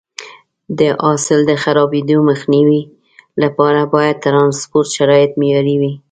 د حاصل د خرابېدو مخنیوي لپاره باید د ټرانسپورټ شرایط معیاري وي.